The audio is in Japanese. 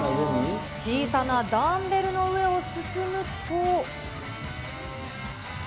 小さなダンベルの上を進むと。